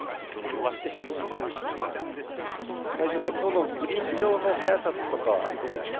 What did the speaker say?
泰二郎さん、きょうのグリーン上の速さとかはどうですか？